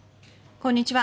こんにちは。